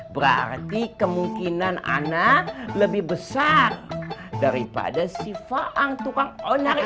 berarti kemungkinan ana lebih besar daripada si faang tukang onar itu